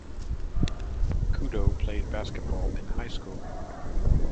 Kudo played basketball in high school.